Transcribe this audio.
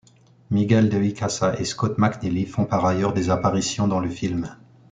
Miguel de Icaza et Scott McNealy font par ailleurs des apparitions dans le film.